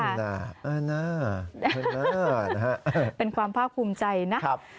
อันน่าเป็นความภาคภูมิใจนะ